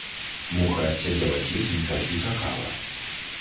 Муха сядзела ціхенька і чакала.